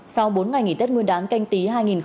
sau bốn ngày nghỉ tết nguyên đán canh tí hai nghìn hai mươi